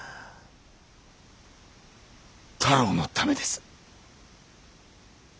太郎のためです。